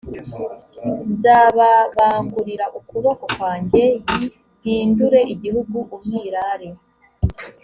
nzababangurira ukuboko kwanjye y mpindure igihugu umwirare